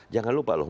jangan lupa loh